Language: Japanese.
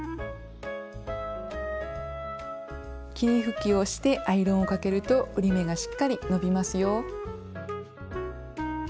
霧吹きをしてアイロンをかけると折り目がしっかり伸びますよ。